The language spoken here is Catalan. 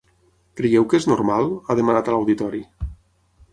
Creieu que és normal?, ha demanat a l’auditori.